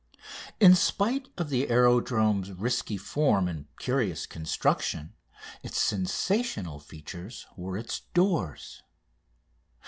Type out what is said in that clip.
In spite of the aerodrome's risky form and curious construction its sensational features were its doors.